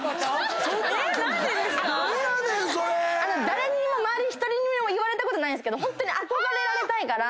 誰にも周りの１人にも言われたことないんすけどホントに憧れられたいから。